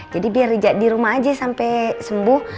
jadi biar rija dirumah aja sampe sembuh